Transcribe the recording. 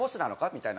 みたいな。